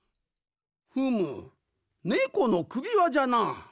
ふむネコのくびわじゃな。